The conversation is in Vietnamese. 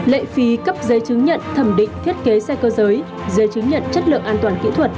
lệ phí cấp giấy chứng nhận thẩm định thiết kế xe cơ giới giấy chứng nhận chất lượng an toàn kỹ thuật